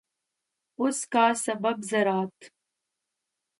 اس کا سبب ذرات